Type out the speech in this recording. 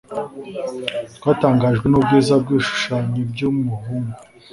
Twatangajwe n'ubwiza bw'ibishushanyo by'umuhungu.